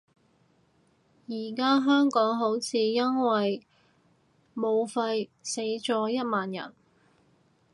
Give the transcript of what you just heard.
而家香港好似因為武肺死咗一萬人